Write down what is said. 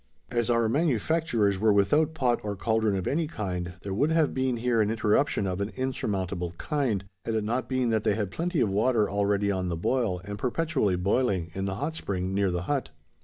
As our manufacturers were without pot or cauldron of any kind, there would have been here an interruption of an insurmountable kind: had it not been that they had plenty of water already on the boil, and perpetually boiling in the hot spring near the hut.